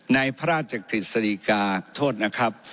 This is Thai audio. ในพระราชกฤษฎีกาโทษนะครับ